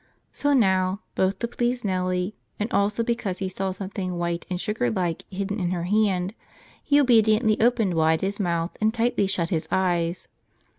So now, both to please Nellie and also because he saw something white and sugar like hidden in her hand, he obediently opened wide his mouth and tightly shut his eyes.